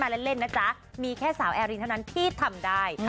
เล่นนะจ๊ะมีแค่สาวแอรินเท่านั้นที่ทำได้